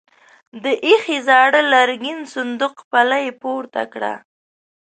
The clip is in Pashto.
د ايښې زاړه لرګين صندوق پله يې پورته کړه.